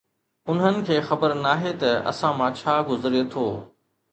انهن کي خبر ناهي ته اسان مان ڇا گذري ٿو